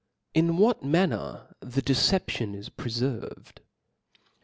VIIL In what Manner the Deception is prtferved.